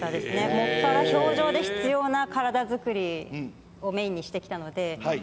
専ら氷上で必要な体作りをメインにしてきたので。